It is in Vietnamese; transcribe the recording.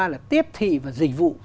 là tiếp thị và dịch vụ